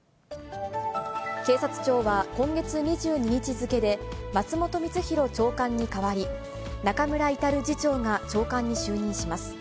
警察庁は今月２２日付で、松本光弘長官に代わり、中村格次長が長官に就任します。